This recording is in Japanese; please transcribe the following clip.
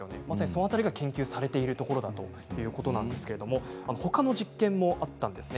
その辺りが研究されているところだということなんですけれどほかの実験もあります。